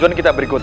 yang bisa di encore